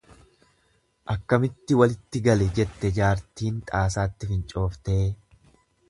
Akkamitti walitti gale? Jette jaartin xaasaatti fincooftee.